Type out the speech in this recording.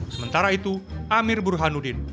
sementara itu amir burhanuddin